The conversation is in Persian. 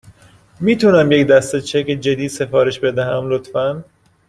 می تونم یک دسته چک جدید سفارش بدهم، لطفاً؟